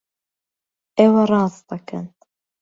ئێوە ڕاست دەکەن!